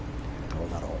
どうだろう。